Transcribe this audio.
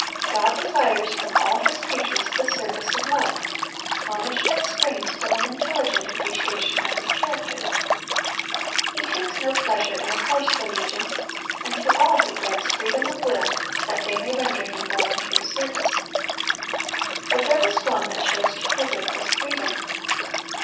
God desires from all His creatures the service of love,—homage that springs from an intelligent appreciation of His character. He takes no pleasure in a forced allegiance, and to all He grants freedom of will, that they may render Him voluntary service. But there was one that chose to pervert this freedom.